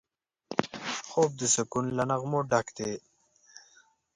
خوب د سکون له نغمو ډک دی